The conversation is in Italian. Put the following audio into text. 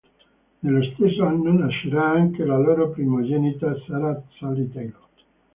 Nello stesso anno nascerà anche la loro primogenita, Sarah Sally Taylor.